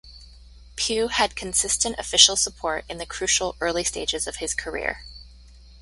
Pugh had consistent official support in the crucial early stages of his career.